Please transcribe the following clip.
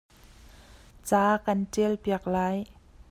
Ca ka'n ṭial piak lai.